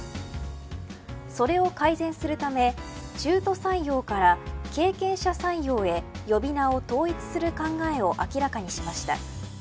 それを改善するため中途採用から経験者採用へ呼び名を統一する考えを明らかにしました。